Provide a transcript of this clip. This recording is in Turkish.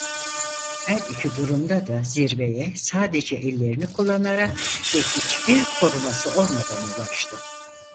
Her iki durumda da zirveye sadece ellerini kullanarak ve hiçbir koruması olmadan ulaştı.